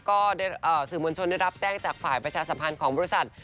ก็สื่อมวลชนได้รับแจ้งจากฝ่ายประชาสัมพันธ์ของบริษัท